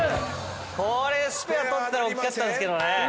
これスペア取ったらおっきかったんですけどね。